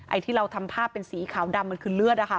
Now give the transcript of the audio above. ที่เราทำภาพเป็นสีขาวดำมันคือเลือดอะค่ะ